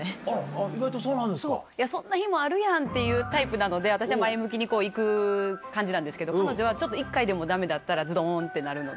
意外とそうなんですか？っていうタイプなので私は前向きに行く感じなんですけど彼女は一回でもダメだったらズドンってなるので。